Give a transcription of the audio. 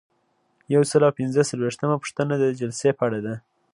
یو سل او پنځه څلویښتمه پوښتنه د جلسې په اړه ده.